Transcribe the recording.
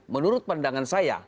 menurut pandangan saya